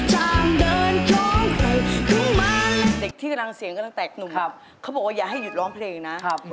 เหมือนจักรยานที่เองไม่มีใครมาลากไป